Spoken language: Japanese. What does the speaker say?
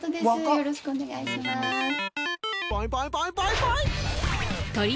よろしくお願いします